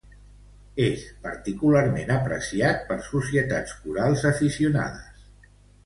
És particularment apreciat per societats corals aficionades.